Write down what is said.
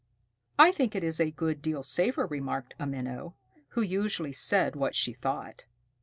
"I think it is a good deal safer," remarked a Minnow, who usually said what she thought.